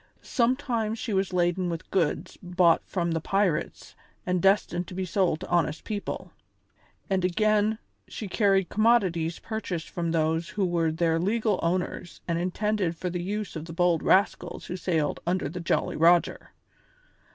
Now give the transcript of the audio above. Sometimes she was laden with goods bought from the pirates and destined to be sold to honest people; and, again, she carried commodities purchased from those who were their legal owners and intended for the use of the bold rascals who sailed under the Jolly Roger.